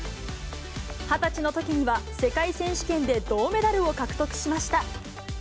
２０歳のときには、世界選手権で銅メダルを獲得しました。